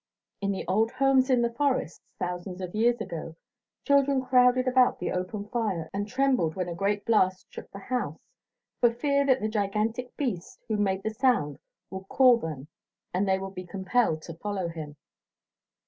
In the old homes in the forests, thousands of years ago, children crowded about the open fire and trembled when a great blast shook the house, for fear that the gigantic beast who made the sound would call them and they would be compelled to follow him.